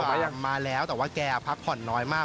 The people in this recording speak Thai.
ประเทศมาแล้วแต่ว่าแกพักผ่อนน้อยมาก